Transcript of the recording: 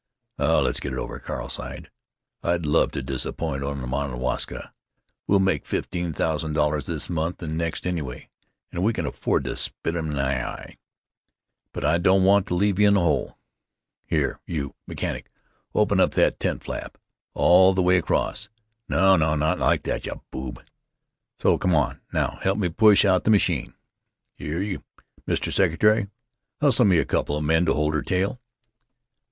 "Oh, let's get it over!" Carl sighed. "I'd love to disappoint Onamwaska. We'll make fifteen thousand dollars this month and next, anyway, and we can afford to spit 'em in the eye. But I don't want to leave you in a hole.... Here you, mechanic, open up that tent flap. All the way across.... No, not like that, you boob!... So.... Come on, now, help me push out the machine. Here you, Mr. Secretary, hustle me a couple of men to hold her tail."